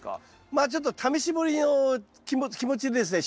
まあちょっと試し掘りの気持ちでですね